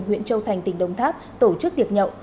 huyện châu thành tỉnh đồng tháp tổ chức tiệc nhậu